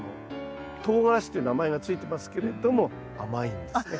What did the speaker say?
とうがらしっていう名前が付いてますけれども甘いんですね。